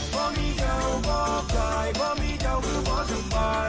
เพราะมีเจ้าบอกใจเพราะมีเจ้าคือเพราะสุขไป